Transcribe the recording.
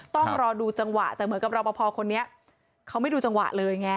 ต้องรอดูจังหวะแต่เหมือนกับรอปภคนนี้เขาไม่ดูจังหวะเลยไง